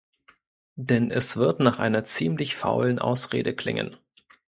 Denn es wird nach einer ziemlich faulen Ausrede klingen.